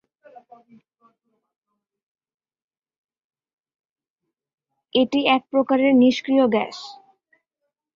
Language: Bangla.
এটি এক প্রকারের নিষ্ক্রিয় গ্যাস।